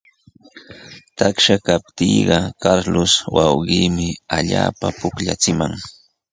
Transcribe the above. Taksha kaptiiqa Carlos wawqiimi allaapa pukllachimaq.